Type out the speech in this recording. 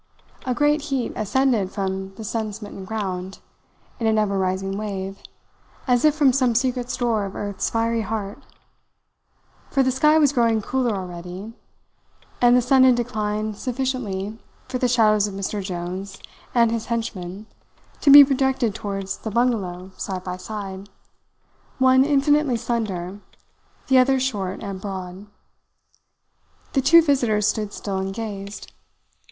A great heat ascended from the sun smitten ground, in an ever rising wave, as if from some secret store of earth's fiery heart; for the sky was growing cooler already, and the sun had declined sufficiently for the shadows of Mr. Jones and his henchman to be projected towards the bungalow side by side one infinitely slender, the other short and broad. The two visitors stood still and gazed.